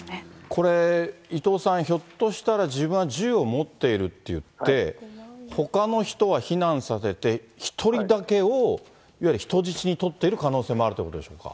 これ、伊藤さん、ひょっとしたら自分は銃を持っていると言って、ほかの人は避難させて、１人だけを、いわゆる人質に取っている可能性もあるということでしょうか。